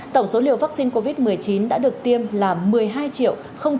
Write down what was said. tổng số liều vaccine covid một mươi chín đã được tiêm là một mươi hai chín mươi tám tám trăm hai mươi một liều